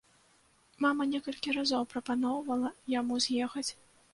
Мама некалькі разоў прапаноўвала яму з'ехаць.